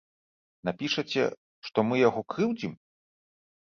Напішаце, што мы яго крыўдзім?